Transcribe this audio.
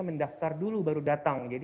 mendaftar dulu baru datang jadi